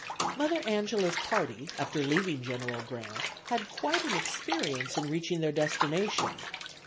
'" Mother Angela's party after leaving General Grant had quite an experience in reaching their destination.